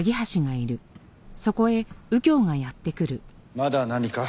まだ何か？